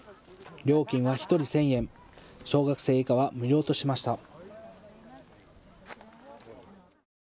料金は１人１０００円、小学生以下は無料としました。